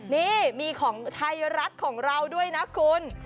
นี่มีของไทยรัฐของเราด้วยนะคุณ